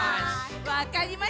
わかりました。